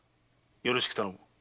よろしく頼む。